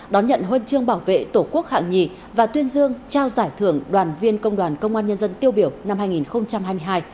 đón nhận huân chương bảo vệ tổ quốc hạng nhì và tuyên dương trao giải thưởng đoàn viên công đoàn công an nhân dân tiêu biểu năm hai nghìn hai mươi hai